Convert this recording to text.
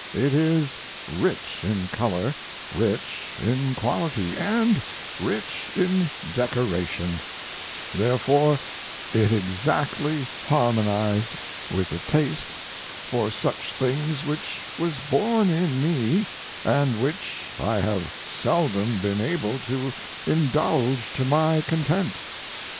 It is rich in color, rich in quality, & rich in decoration; therefore it exactly harmonized with the taste for such things which was born in me & which I have seldom been able to indulge to my content.